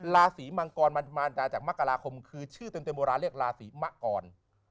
ราศีมังกรมันมาจากมกราคมคือชื่อเต็มโบราณเรียกราศีมะกร